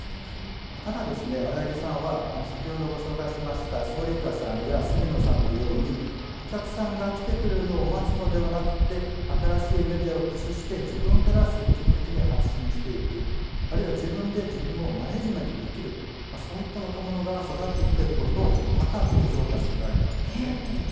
ただ青柳さんは先ほどご紹介した反田さんや角野さんのようにお客さんが来てくれるのを待つのではなく新しいメディアを駆使して自分から積極的に発信していくあるいは自分で自分をマネージメントできるそういった若者が育ってきていることを高く評価しておられました。